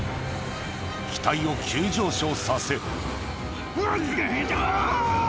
機体を急上昇させうわ！